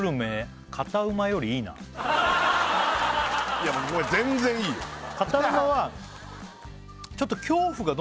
いやもう全然いいよそう！